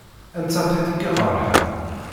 Anta tiṭ i k-iqerḥen?